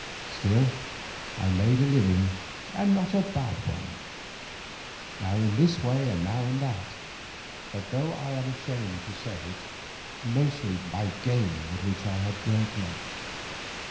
Still I made a living and not a bad one, now in this way and now in that, but though I am ashamed to say it, mostly by gaming, at which I had great luck.